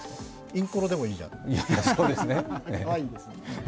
インコロでもいいじゃん。